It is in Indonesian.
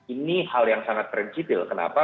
ini hal yang sangat prinsipil kenapa